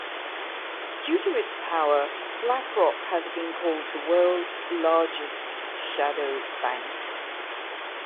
Due to its power, BlackRock has been called the world's largest shadow bank.